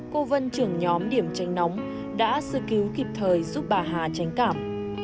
cô vân trưởng nhóm điểm tranh nóng đã sư cứu kịp thời giúp bà hà tranh cảm